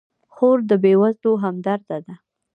خور د بېوزلو همدرده ده.